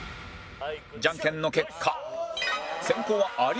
じゃんけんの結果